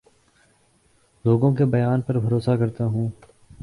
لوگوں کے بیان پر بھروسہ کرتا ہوں